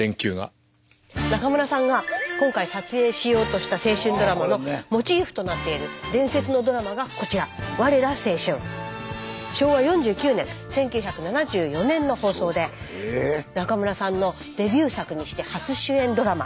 中村さんが今回撮影しようとした青春ドラマのモチーフとなっている伝説のドラマがこちら昭和４９年１９７４年の放送で中村さんのデビュー作にして初主演ドラマ。